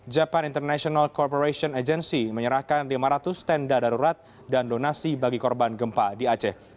japan international corporation agency menyerahkan lima ratus tenda darurat dan donasi bagi korban gempa di aceh